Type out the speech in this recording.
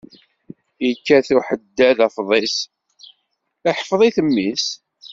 Ikkat uḥeddad afḍis, iḥfeḍ-it mmi-s.